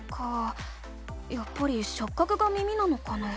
やっぱりしょっ角が耳なのかな？